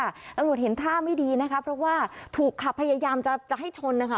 ตำรวจเห็นท่าไม่ดีนะคะเพราะว่าถูกขับพยายามจะให้ชนนะคะ